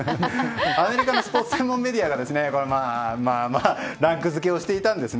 アメリカのスポーツ専門メディアがランク付けをしていたんです。